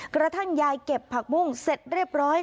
กระทั่งยายเก็บผักบุ้งเสร็จเรียบร้อย